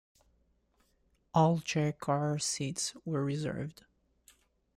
All chair car seats were reserved.